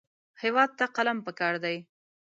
هېواد ته قلم پکار دی